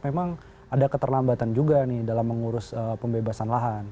memang ada keterlambatan juga nih dalam mengurus pembebasan lahan